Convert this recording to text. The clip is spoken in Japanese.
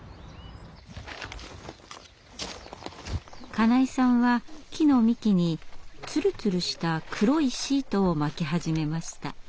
金井さんは木の幹につるつるした黒いシートを巻き始めました。